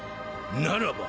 ならば！